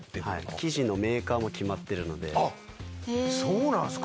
生地のメーカーも決まってるそうなんですか。